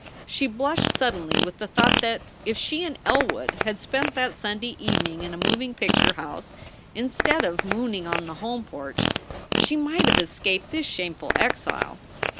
She blushed suddenly with the thought that if she and Elwood had spent that Sunday evening in a moving picture house, instead of mooning on the home porch, she might have escaped this shameful exile.